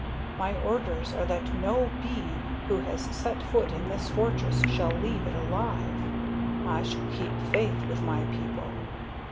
My orders are that no bee who has set foot in this fortress shall leave it alive. I shall keep faith with my people."